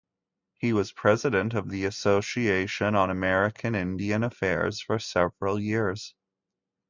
He was president of the Association on American Indian Affairs for several years.